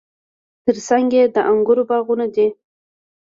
ترڅنګ یې د انګورو باغونه دي.